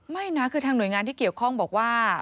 ไม่นะคือทางหน่วยงานที่เกี่ยวข้องบอกว่า